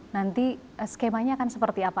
nanti skemanya akan seperti apa